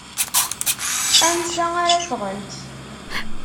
Ansa ara ffɣent?